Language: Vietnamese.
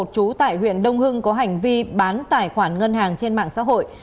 chú tại huyện đông hưng có hành vi bán tài khoản ngân hàng trên mạng xã hội